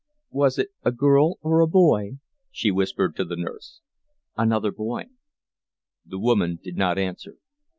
"Was it a girl or a boy?" she whispered to the nurse. "Another boy." The woman did not answer.